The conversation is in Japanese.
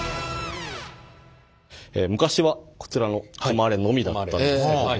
昔はこちらの「止まれ」のみだったんですけども。